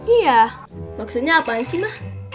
iya maksudnya apaan sih ma